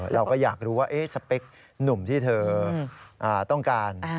เราก็อยากรู้ว่าสเปคหนุ่มที่เธอต้องการ